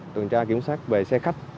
tuần tra kiểm soát về xe khách